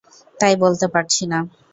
তাই বলতে পারছি না।